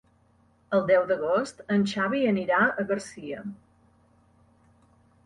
El deu d'agost en Xavi anirà a Garcia.